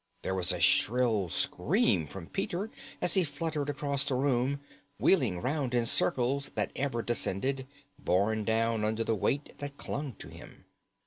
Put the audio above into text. There was a shrill scream from Peter as he fluttered across the room, wheeling round in circles that ever descended, borne down under the weight that clung to him.